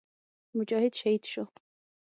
مجاهد شهید شو.